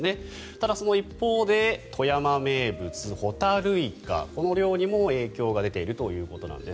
ただ、その一方で富山名物ホタルイカこの漁にも影響が出ているということなんです。